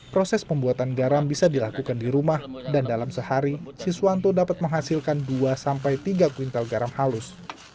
proses pembuatan garam bisa dilakukan di rumah dan dalam sehari siswanto dapat menghasilkan dua sampai tiga kuintal garam halus